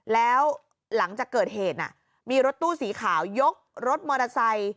แล้วหลังจากเกิดเหตุมีรถตู้สีขาวยกรถมอเตอร์ไซค์